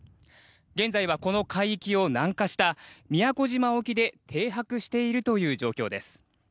現在はこの海域を南下した宮古島沖で停泊しているという状況です。